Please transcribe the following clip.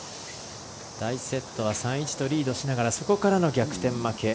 第１セットは３−１とリードしながらそこからの逆転負け。